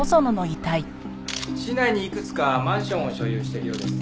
市内にいくつかマンションを所有してるようです。